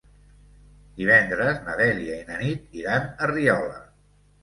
Divendres na Dèlia i na Nit iran a Riola.